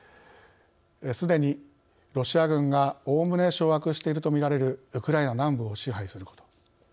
すでにロシア軍がおおむね掌握していると見られるウクライナ南部を支配すること。